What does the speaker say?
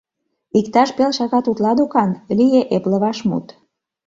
— Иктаж пел шагат утла докан... — лие эпле вашмут.